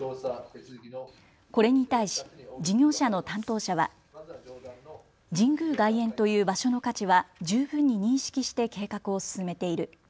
これに対し事業者の担当者は神宮外苑という場所の価値は十分に認識して計画を進めている。